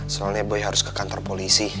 soalnya boy harus ke kantor polisi